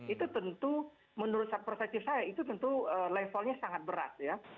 itu tentu menurut persepsi saya itu tentu levelnya sangat berat ya